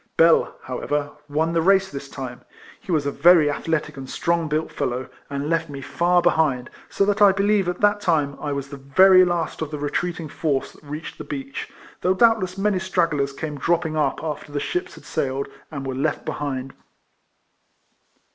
Bell, however, won the race this time. He was a very athletic and strong built fellow, and left me far behind, so that I believe at that time I was the very last of the retreating force that reached the beach, though doubt less many stragglers came dropping up after the ships had sailed, and were left be hind.